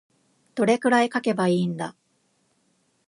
どれくらい書けばいいんだ。